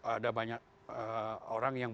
ada banyak orang yang